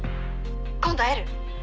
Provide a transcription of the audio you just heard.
今度会える？